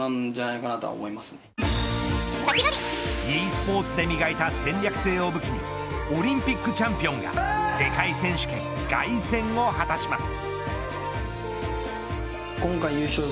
ｅスポーツで磨いた戦略性を武器にオリンピックチャンピオンが世界選手権、凱旋を果たします。